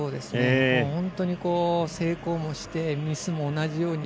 本当に、成功もしてミスも同じように。